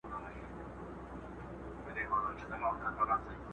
زده کړه انسان ته لاره ښیي.